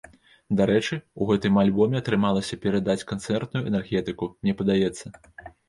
Дарэчы, у гэтым альбоме атрымалася перадаць канцэртную энергетыку, мне падаецца.